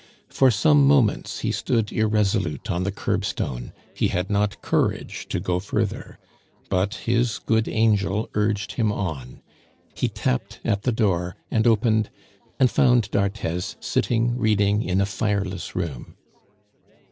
For some moments he stood irresolute on the curbstone; he had not courage to go further; but his good angel urged him on. He tapped at the door and opened, and found d'Arthez sitting reading in a fireless room.